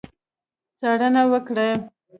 څارنه وکړي.